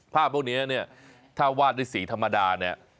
ภาพพวกนี้ถ้าวาดด้วยสีธรรมดา